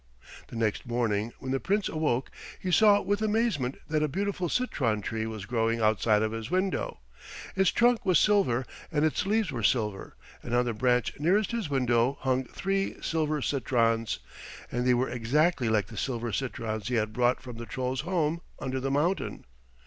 The next morning when the Prince awoke he saw with amazement that a beautiful citron tree was growing outside of his window. Its trunk was silver, and its leaves were silver, and on the branch nearest his window hung three silver citrons, and they were exactly like the silver citrons he had brought from the Troll's home under the mountain.